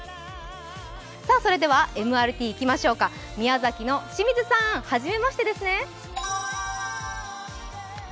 それではＭＲＴいきましょうか、清水さん、はじめましてですね。